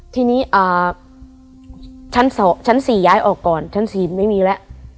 ทีนี้ชั้น๒ชั้น๔ย้ายออกก่อนชั้น๔ไม่มีแล้ว